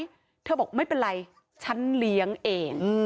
เธอบอกไม่เป็นไรฉันเลี้ยงเอง